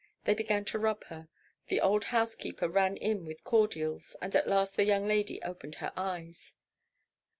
They began to rub her. The old housekeeper ran in with cordials, and at last the young lady opened her eyes.